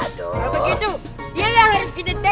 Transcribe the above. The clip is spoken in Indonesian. aduh terlalu berhati hati ya